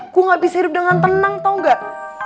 gua gak bisa hidup dengan tenang tau gak